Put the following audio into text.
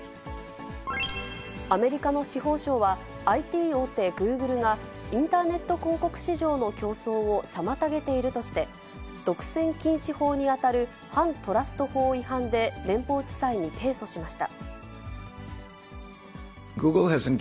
アメリカの司法省は、ＩＴ大手、グーグルが、インターネット広告市場の競争を妨げているとして、独占禁止法に当たる、反トラスト法違反で連邦地裁に提訴しました。